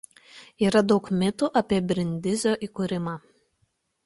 Yra daug mitų apie Brindizio įkūrimą.